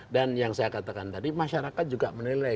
dan yang saya katakan tadi masyarakat juga menilai